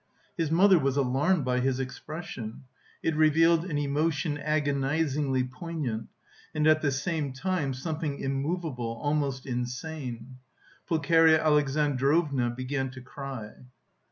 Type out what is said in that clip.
His mother was alarmed by his expression. It revealed an emotion agonisingly poignant, and at the same time something immovable, almost insane. Pulcheria Alexandrovna began to cry.